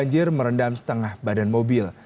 banjir merendam setengah badan mobil